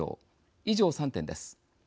以上３点です。